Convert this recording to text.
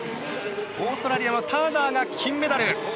オーストラリアはターナーが金メダル。